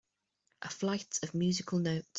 A flight of musical notes.